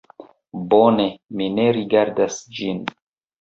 Bone, mi ne rigardas ĝin